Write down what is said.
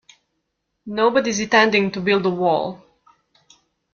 Nobody's intending to build a wall.